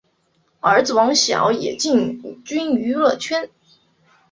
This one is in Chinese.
儿子王骁也进军娱乐圈。